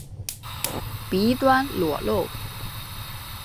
鼻端裸露。